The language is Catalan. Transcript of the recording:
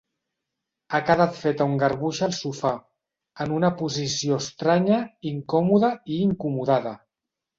Ha quedat feta un garbuix al sofà, en una posició estranya, incòmoda i incomodada.